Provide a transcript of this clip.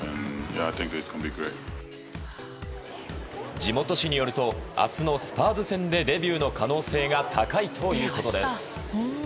地元紙によると明日のスパーズ戦でデビューの可能性が高いということです。